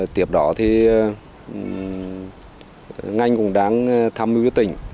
tiếp đó ngành cũng đang tham mưu với tỉnh